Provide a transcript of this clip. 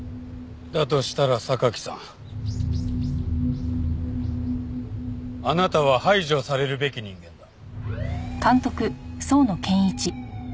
だとしたら榊さんあなたは排除されるべき人間だ。